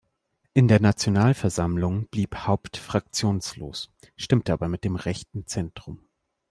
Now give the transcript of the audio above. In der Nationalversammlung blieb Haupt fraktionslos, stimmte aber mit dem Rechten Zentrum.